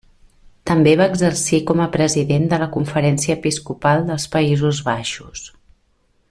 També va exercir com a President de la Conferència Episcopal dels Països Baixos.